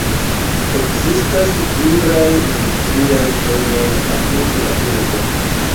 Ekzistas pluraj industriaj zonoj apud la urbo.